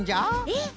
えっ？